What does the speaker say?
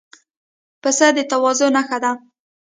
پسه د تواضع نښه ده.